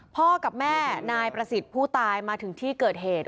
พ่อกับแม่นายประสิทธิ์ผู้ตายมาถึงที่เกิดเหตุ